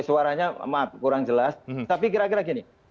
suaranya maaf kurang jelas tapi kira kira gini